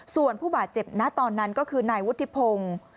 ส่วนผู้บาดเจ็บณตอนนั้นก็คือนายวุฒิพงศ์